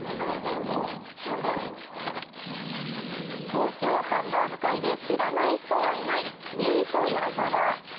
東京ハンバーグ界で知らない人はいないミート矢澤。